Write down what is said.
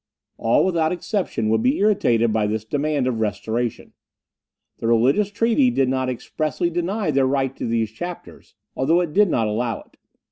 All, without exception, would be irritated by this demand for restoration. The religious treaty did not expressly deny their right to these chapters, although it did not allow it.